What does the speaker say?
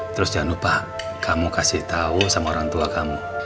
terus jangan lupa kamu kasih tahu sama orang tua kamu